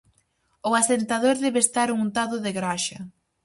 O asentador debe estar untado de graxa.